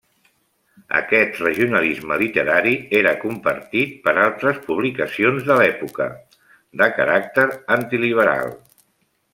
Aquest regionalisme literari era compartit per altres publicacions de l'època, de caràcter antiliberal.